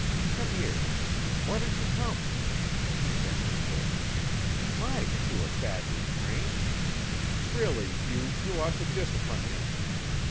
Come here. Why don't you come?" She stamped her foot. "My, but you are badly trained. Really, Hugh, you ought to discipline him.